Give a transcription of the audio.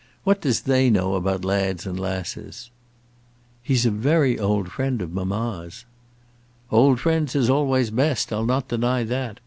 What does they know about lads and lasses?" "He's a very old friend of mamma's." "Old friends is always best, I'll not deny that.